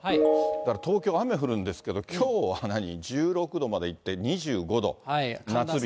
東京も雨降るんですけど、きょうは何、１６度までいって、２５度。